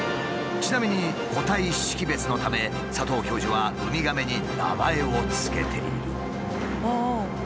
ちなみに個体識別のため佐藤教授はウミガメに名前を付けている。